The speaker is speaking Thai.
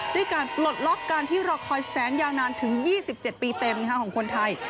ด้วยการปลดล็อกการที่รอคอยแสนยาวนานถึง๒๗ปีเต็มของคนไทย